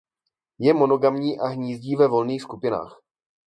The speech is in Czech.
Je monogamní a hnízdí ve volných skupinách.